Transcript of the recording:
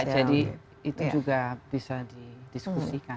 jadi itu juga bisa didiskusikan